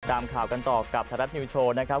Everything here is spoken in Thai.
ตามข่าวกันต่อกับไทยรัฐนิวโชว์นะครับ